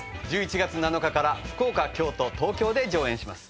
１１月７日から福岡京都東京で上演します。